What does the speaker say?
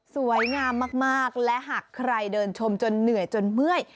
สวยงามมากและหากใครเดินชมจนเหนื่อยจนเมื่อย